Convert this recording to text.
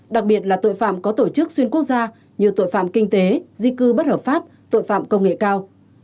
đặc biệt là tội phạm có tổ chức xuyên quốc gia như tội phạm kinh tế di cư bất hợp pháp tội phạm công nghệ cao